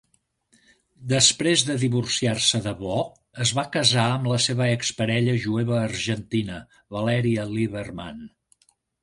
Després de divorciar-se de Bo, es va casar amb la seva ex-parella jueva argentina, Valeria Liberman.